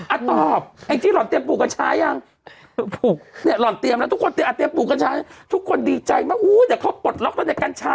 อะตอบไอ้ที่หล่อนเตรียมปลูกกันช้ายัง